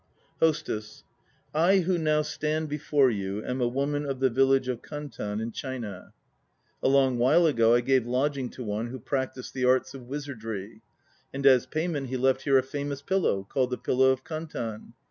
HOSTESS I who now stand before you am a woman of the village of Kantan in China. A long while ago I gave lodging to one who practised the arts of wizardry; and as payment he left here a famous pillow, called the Pillow of Kantan.